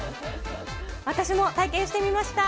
私も体験してみました。